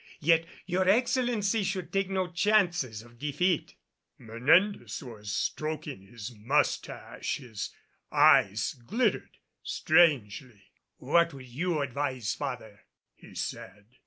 Yet your Excellency should take no chances of defeat." Menendez was stroking his mustache. His eyes glittered strangely. "What would you advise, father?" he said.